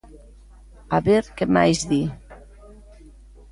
A ver que máis di: